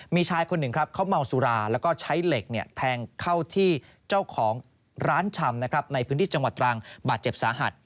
มีชายคนหนึ่งครับเขาเมาสุราแล้วก็ใช้เหล็กแทงเข้าที่เจ้าของร้านชำในพื้นที่จังหวัดตรังบาดเจ็บสาหัส